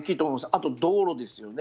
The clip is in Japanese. あと、道路ですよね。